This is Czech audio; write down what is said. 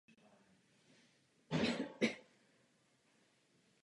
Poté se centrum přesunulo výstavbou městského tržiště na dnešní Masarykovo náměstí.